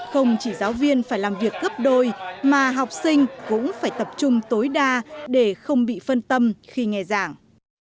không chỉ giáo viên phải làm việc gấp đôi mà học sinh cũng phải tập trung tối đa để không bị phân tâm khi nghe giảng